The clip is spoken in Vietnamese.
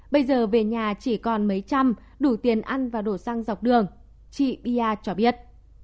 bây giờ về nhà chỉ còn mấy trăm đủ tiền ăn và đổ xăng dọc đường chị bia cho biết